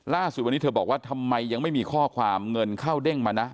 ล่าสุดวันนี้เธอบอกว่าทำไมยังไม่มีข้อความเงินเข้าเด้งมานะ